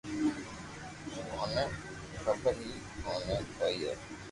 اوني خبر ھي اوئي ڪرئي